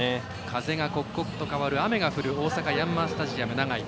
風が刻々と変わる雨が降る大阪ヤンマースタジアム長居。